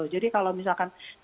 jadi kalau misalkan kita